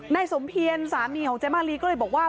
นายสมเพียรสามีของเจ๊มาลีก็เลยบอกว่า